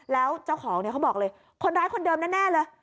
แล้วเจ้าของเนี่ยเขาบอกเลยคนร้ายคนเดิมแน่เลย